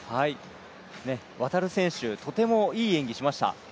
航選手、とてもいい演技しました。